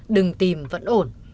đừng tìm vẫn ổn